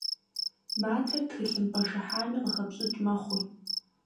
Матэр тхылъымпӏэ шыхьами къыхэпщӏыкӏ мэхъур.